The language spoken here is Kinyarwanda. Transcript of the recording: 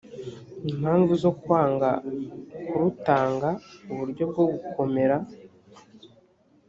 impamvu zo kwanga kurutanga uburyo bwo gukomera